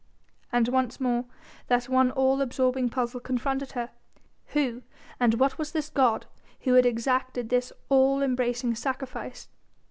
And once more that one all absorbing puzzle confronted her: who and what was this god who had exacted this all embracing sacrifice?